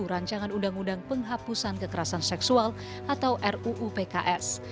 rancangan undang undang penghapusan kekerasan seksual atau ruupks